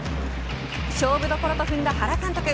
勝負どころと踏んだ原監督。